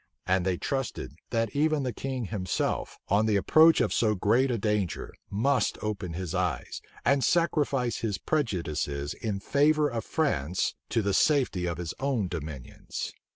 And they trusted, that even the king himself, on the approach of so great a danger, must open his eyes, and sacrifice his prejudices in favor of France to the safety of his own dominions.